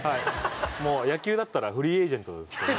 もう野球だったらフリーエージェントですね。